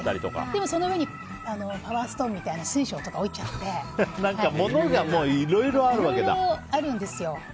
でも、その上にパワーストーンみたいな水晶とか置いちゃって何でもあるんですよ。